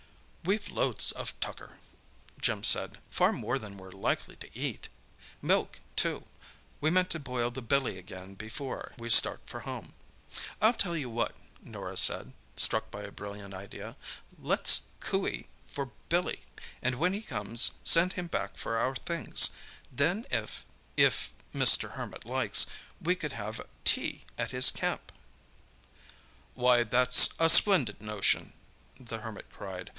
"We've loads of tucker," Jim said. "Far more than we're likely to eat. Milk, too. We meant to boil the billy again before we start for home." "I'll tell you what," Norah said, struck by a brilliant idea. "Let's coo ee for Billy, and when he comes send him back for our things. Then if—if Mr. Hermit likes, we could have tea at his camp." "Why, that's a splendid notion," the Hermit cried.